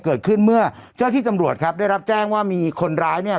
เกิดขึ้นเมื่อเจ้าที่ตำรวจครับได้รับแจ้งว่ามีคนร้ายเนี่ย